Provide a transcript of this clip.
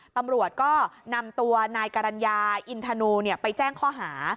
ตำรวจก็นำตัวนายกรรณญาอินทนูไปแจ้งข้อหา